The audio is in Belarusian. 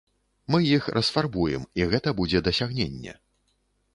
Мы іх расфарбуем, і гэта будзе дасягненне.